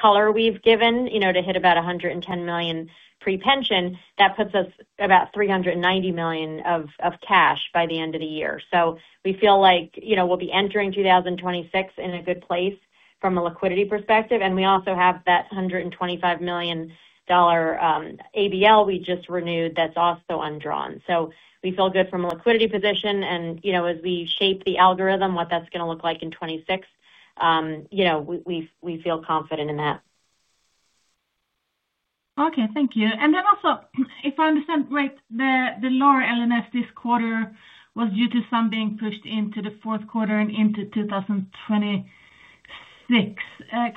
color we've given to hit about $110 million pre-pension, that puts us at about $390 million of cash by the end of the year. We feel like we'll be entering 2026 in a good place from a liquidity perspective. We also have that $125 million ABL we just renewed that's also undrawn. We feel good from a liquidity position. As we shape the algorithm, what that's going to look like in 2026, we feel confident in that. Okay. Thank you. Also, if I understand right, the lower L&S this quarter was due to some being pushed into the fourth quarter and into 2026. Can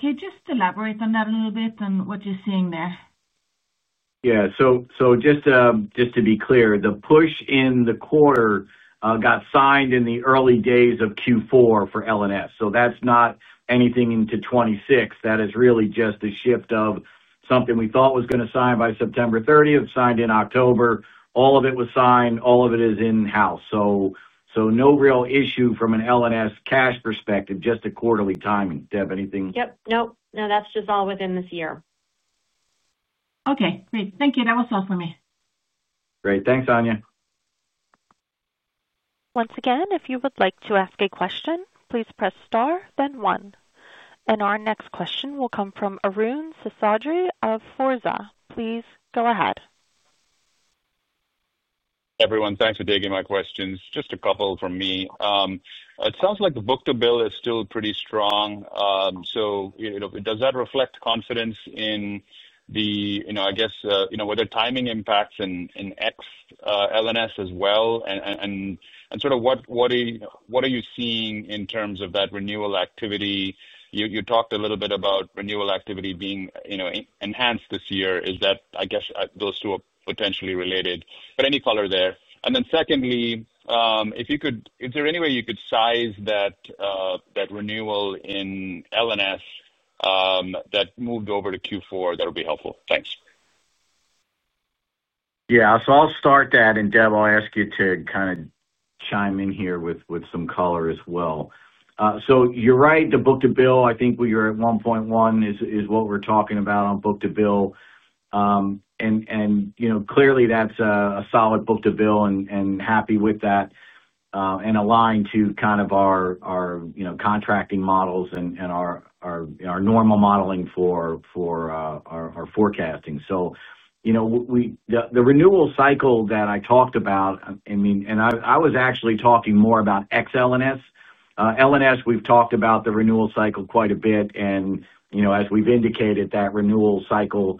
you just elaborate on that a little bit and what you're seeing there? Yeah. Just to be clear, the push in the quarter got signed in the early days of Q4 for L&S. That is not anything into 2026. That is really just a shift of something we thought was going to sign by September 30, signed in October. All of it was signed. All of it is in-house. No real issue from an L&S cash perspective, just a quarterly timing. Deb, anything? Yep. Nope. No, that's just all within this year. Okay. Great. Thank you. That was all for me. Great. Thanks, Anja. Once again, if you would like to ask a question, please press star, then one. Our next question will come from Arun Seshadri of Forza. Please go ahead. Everyone, thanks for taking my questions. Just a couple from me. It sounds like the book-to-bill is still pretty strong. Does that reflect confidence in the, I guess, whether timing impacts in XL&S as well? What are you seeing in terms of that renewal activity? You talked a little bit about renewal activity being enhanced this year. Is that, I guess, those two are potentially related? Any color there? Secondly, if you could, is there any way you could size that renewal in L&S that moved over to Q4? That would be helpful. Thanks. Yeah. I'll start that. Deb, I'll ask you to kind of chime in here with some color as well. You're right. The book-to-bill, I think we were at 1.1 is what we're talking about on book-to-bill. Clearly, that's a solid book-to-bill and happy with that. Aligned to kind of our contracting models and our normal modeling for our forecasting. The renewal cycle that I talked about, I mean, I was actually talking more about XL&S. L&S, we've talked about the renewal cycle quite a bit. As we've indicated, that renewal cycle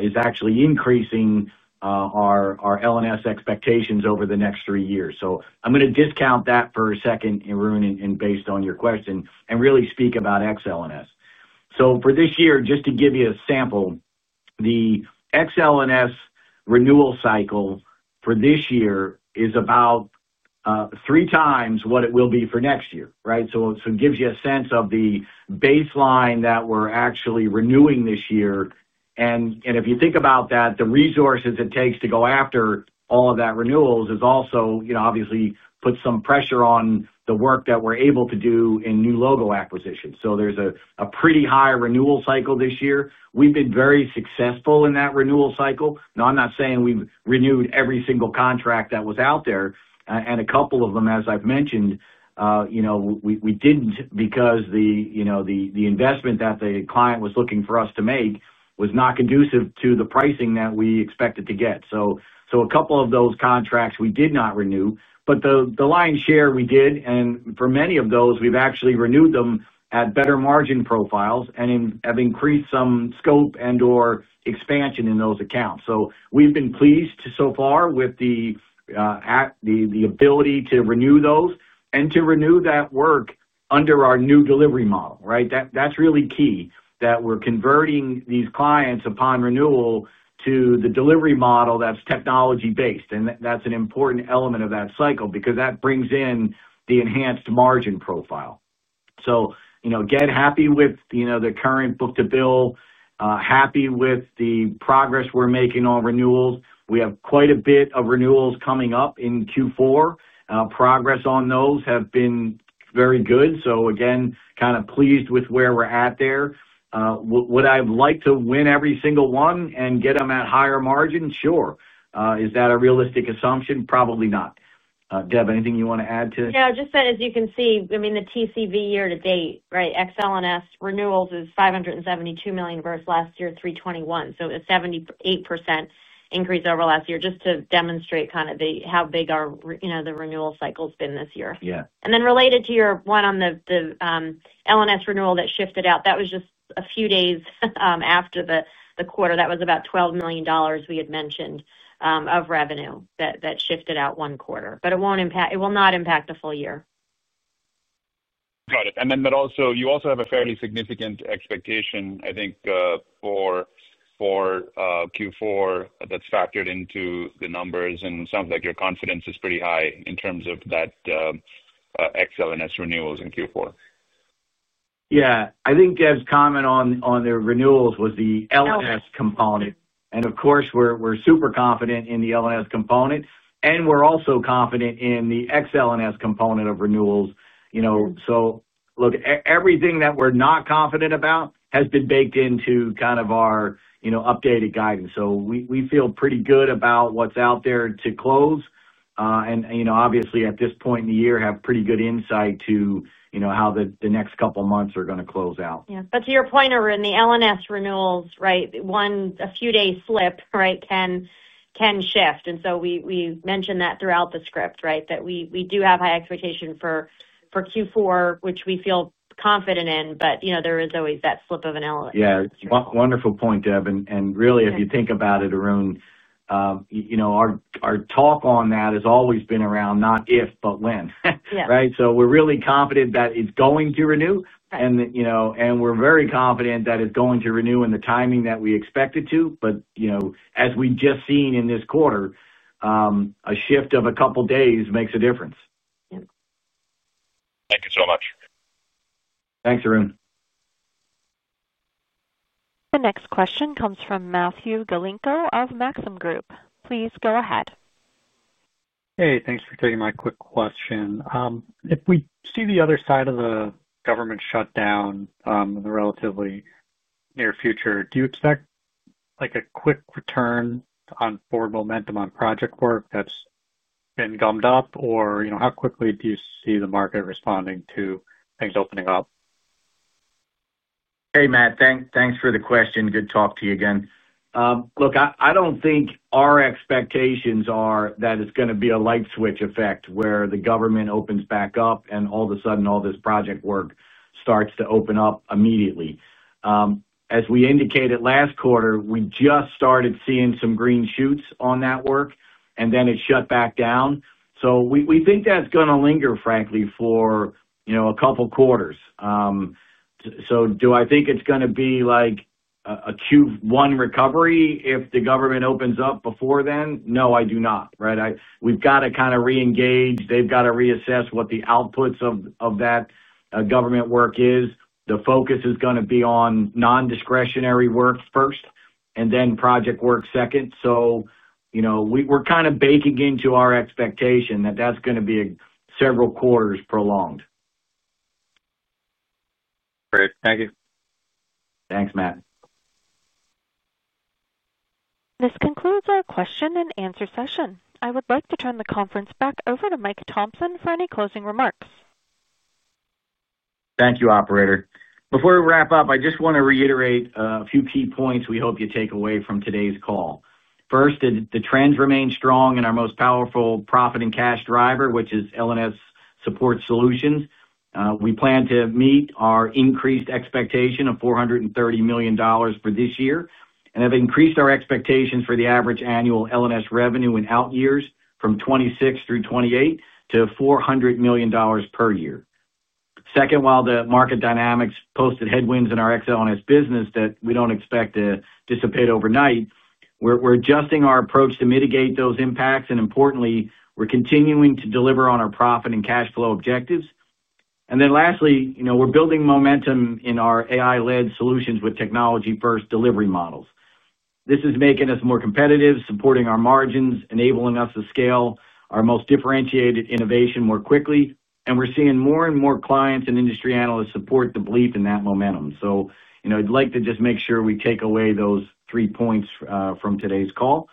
is actually increasing our L&S expectations over the next three years. I'm going to discount that for a second, Arun, and based on your question, really speak about XL&S. For this year, just to give you a sample, the XL&S renewal cycle for this year is about three times what it will be for next year, right? It gives you a sense of the baseline that we're actually renewing this year. If you think about that, the resources it takes to go after all of that renewals is also obviously put some pressure on the work that we're able to do in new logo acquisitions. There is a pretty high renewal cycle this year. We've been very successful in that renewal cycle. Now, I'm not saying we've renewed every single contract that was out there. A couple of them, as I've mentioned, we didn't because the investment that the client was looking for us to make was not conducive to the pricing that we expected to get. A couple of those contracts we did not renew. The lion's share we did. For many of those, we've actually renewed them at better margin profiles and have increased some scope and/or expansion in those accounts. We've been pleased so far with the. Ability to renew those and to renew that work under our new delivery model, right? That's really key that we're converting these clients upon renewal to the delivery model that's technology-based. That's an important element of that cycle because that brings in the enhanced margin profile. Again, happy with the current book-to-bill. Happy with the progress we're making on renewals. We have quite a bit of renewals coming up in Q4. Progress on those has been very good. Again, kind of pleased with where we're at there. Would I have liked to win every single one and get them at higher margin? Sure. Is that a realistic assumption? Probably not. Deb, anything you want to add to this? Yeah. Just that, as you can see, I mean, the TCV year to date, right, XL&S renewals is $572 million versus last year, $321 million. A 78% increase over last year just to demonstrate kind of how big the renewal cycle has been this year. Related to your one on the L&S renewal that shifted out, that was just a few days after the quarter. That was about $12 million we had mentioned of revenue that shifted out one quarter, but it will not impact the full year. Got it. You also have a fairly significant expectation, I think, for Q4 that's factored into the numbers. It sounds like your confidence is pretty high in terms of that XL&S renewals in Q4. Yeah. I think Deb's comment on the renewals was the L&S component. Of course, we're super confident in the L&S component, and we're also confident in the XL&S component of renewals. Look, everything that we're not confident about has been baked into kind of our updated guidance. We feel pretty good about what's out there to close. Obviously, at this point in the year, have pretty good insight to how the next couple of months are going to close out. Yeah. To your point, Arun, the L&S renewals, right, a few-day slip, right, can shift. We mentioned that throughout the script, right, that we do have high expectation for Q4, which we feel confident in. There is always that slip of an L&S. Yeah. Wonderful point, Deb. Really, if you think about it, Arun, our talk on that has always been around not if, but when, right? We're really confident that it's going to renew. We're very confident that it's going to renew in the timing that we expect it to. As we've just seen in this quarter, a shift of a couple of days makes a difference. Thank you so much. Thanks, Arun. The next question comes from Matthew Galinko of Maxim Group. Please go ahead. Hey, thanks for taking my quick question. If we see the other side of the government shutdown in the relatively near future, do you expect a quick return on forward momentum on project work that's been gummed up? Or how quickly do you see the market responding to things opening up? Hey, Matt. Thanks for the question. Good to talk to you again. Look, I don't think our expectations are that it's going to be a light switch effect where the government opens back up and all of a sudden all this project work starts to open up immediately. As we indicated last quarter, we just started seeing some green shoots on that work, and then it shut back down. We think that's going to linger, frankly, for a couple of quarters. Do I think it's going to be like a Q1 recovery if the government opens up before then? No, I do not, right? We've got to kind of re-engage. They've got to reassess what the outputs of that government work is. The focus is going to be on non-discretionary work first and then project work second. We're kind of baking into our expectation that that's going to be several quarters prolonged. Great. Thank you. Thanks, Matt. This concludes our question-and-answer session. I would like to turn the conference back over to Mike Thomson for any closing remarks. Thank you, operator. Before we wrap up, I just want to reiterate a few key points we hope you take away from today's call. First, the trends remain strong in our most powerful profit and cash driver, which is L&S Support Solutions. We plan to meet our increased expectation of $430 million for this year and have increased our expectations for the average annual L&S revenue in out years from 2026 through 2028 to $400 million per year. Second, while the market dynamics posted headwinds in our XL&S business that we don't expect to dissipate overnight, we're adjusting our approach to mitigate those impacts. Importantly, we're continuing to deliver on our profit and cash flow objectives. Lastly, we're building momentum in our AI-led solutions with technology-first delivery models. This is making us more competitive, supporting our margins, enabling us to scale our most differentiated innovation more quickly. We're seeing more and more clients and industry analysts support the belief in that momentum. I'd like to just make sure we take away those three points from today's call.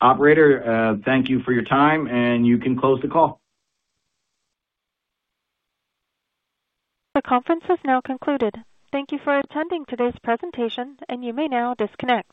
Operator, thank you for your time. You can close the call. The conference has now concluded. Thank you for attending today's presentation, and you may now disconnect.